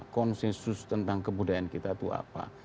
konsensus tentang kebudayaan kita itu apa